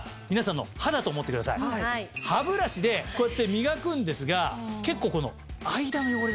歯ブラシでこうやって磨くんですが結構この間の汚れ。